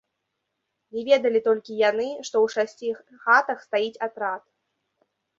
Не ведалі толькі яны, што ў шасці хатах стаіць атрад.